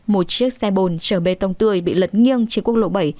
một chiếc xe bồn chở bê tông tươi bị lật nghiêng trên quốc lộ bảy